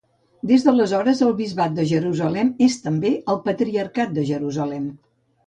Des d'aleshores, el bisbat de Jerusalem és també el patriarcat de Jerusalem.